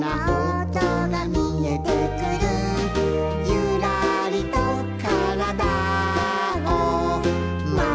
「ゆらりとからだをまかせたら」